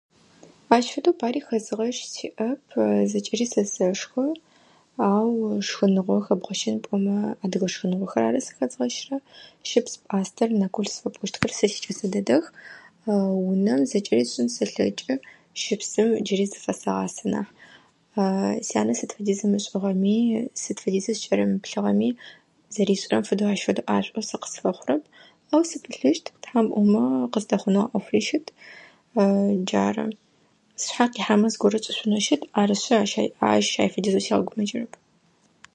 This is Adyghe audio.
Ащ фэдэу пари хэзыгъэщ сиӏэп. Зэкӏэри сэ сэшхы. Ау шхыныгъо хэбгъэщын пӏомэ адыгэ шхыныгъогъэ ары зыхэзгъэщырэр. Щыпс, пӏастэ, нэкул зыфэпӏощтхэр сэ сикӏасэ дэдэх. Унэм зэкӏэри сшӏын сэлъэкӏы. Щыпсыр джыри зыфэсэгъасэ нахь. Сянэ сыд фэдиз ымышӏыгъэми, сыд фэдиз сыкӏэрымыплъыгъэми зэришӏырэм фэдэу ӏашӏоу сэ къысфэхъурэп. Ау сыпылъыщт. Тхьам ыӏомэ къыздэхъунэу а ӏофе щыт. Джары, сшъхьэ къихьэмэ зыгорэ сшӏышъунэ щыт. Арышъы, ащ ай фэдизэу сигъэгумэкӏырэп.